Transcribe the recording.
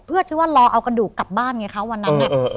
เพื่อที่ว่ารอเอากระดูกกลับบ้านไงคะวันนั้น